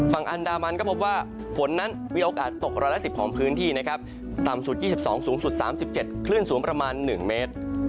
ฝั่งอันดามันก็พบว่าฝนนั้นมีโอกาสตกร้อยละ๑๐ของพื้นที่นะครับต่ำสุด๒๒สูงสุด๓๗คลื่นสูงประมาณ๑เมตร